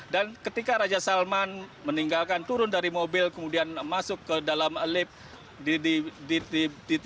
dan ketika raja salman meninggalkan turun dari mobil kemudian masuk ke dalam lift